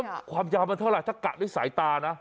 ความยาวมันเท่าไหร่ถ้ากะด้วยสายตานะ